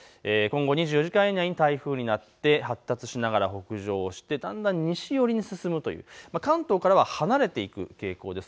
今後２４時間以内に台風になって発達しながら北上してだんだん西寄りに進むという、関東からは離れていく傾向です。